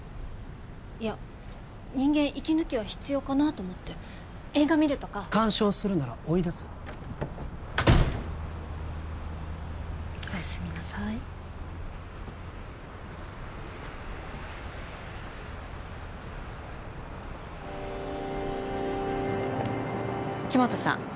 いや人間息抜きは必要かなと思って映画見るとか干渉するなら追い出すおやすみなさい木元さん